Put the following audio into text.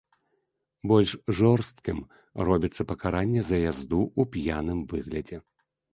Больш жорсткім робіцца пакаранне за язду ў п'яным выглядзе.